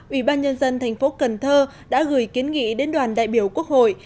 ủy ban nhân dân thành phố cần thơ đã gửi kiến nghị đến đoàn đại biểu quốc hội